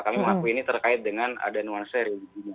kami mengakui ini terkait dengan ada nuansa religinya